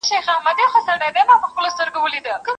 پتنګه وایه ته څشي غواړې